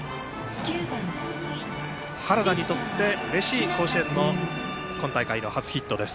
原田にとってうれしい甲子園の今大会の初めてのヒットです。